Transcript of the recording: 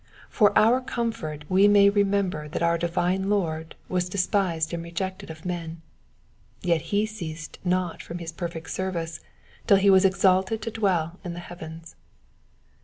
For our comfort we may remember that our divine Lord was despised and rejected of men, yet he ceased not from his perfect service till he was exalted to dwell in the heavens.